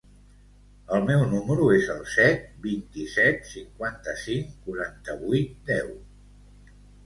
El meu número es el set, vint-i-set, cinquanta-cinc, quaranta-vuit, deu.